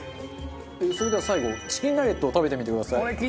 それでは最後チキンナゲットを食べてみてください。